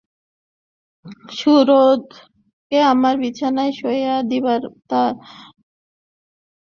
সুবোধকে আমার বিছানায় শোয়াইয়া দিনরাত তার সেবা করিতে লাগিলাম।